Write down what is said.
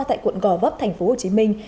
tại quận gò vấp thành phố hồ chí minh